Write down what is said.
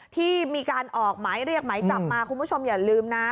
ที่มีการออกหมายเรียกหมายจับมาคุณผู้ชมอย่าลืมนะ